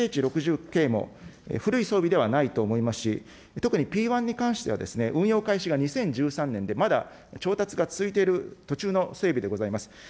このＦ２も、ＳＨ６０Ｋも古い装備ではないと思いますし、特にＰ１に関しては、運用開始が２０１３年で、まだ調達が続いている途中の整備でございます。